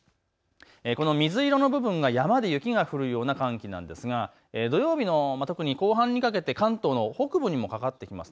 この水色の部分が山で雪が降るような寒気なんですが、土曜日の後半にかけて関東の北部にもかかってきます。